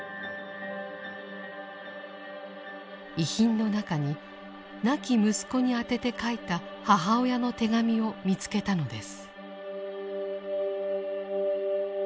遺品の中に亡き息子に宛てて書いた母親の手紙を見つけたのです。